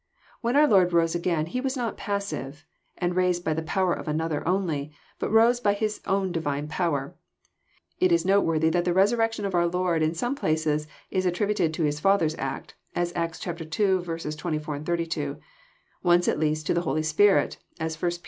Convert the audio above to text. When our Lord rose again He was not passive, and raised by the power of another only, but rose by His own Divine power. It is note worthy that the resurrection of our Lord in some places is at tributed to His Father's act, as Acts ii. 24, 32 ; once, at least, to the Holy Spirit, as 1 Pet.